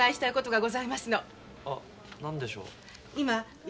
あ何でしょう？